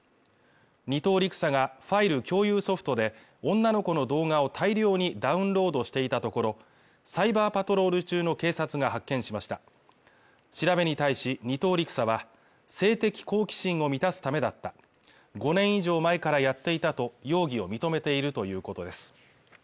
２等陸佐がファイル共有ソフトで女の子の動画を大量にダウンロードしていたところサイバーパトロール中の警察が発見しました調べに対し２等陸佐は性的好奇心を満たすためだった５年以上前からやっていたと容疑を認めているということです